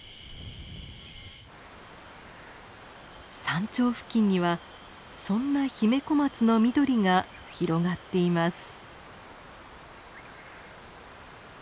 山頂付近にはそんなヒメコマツの緑が広がっています。